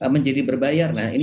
menjadi berbayar nah ini